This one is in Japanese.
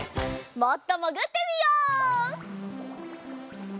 もっともぐってみよう！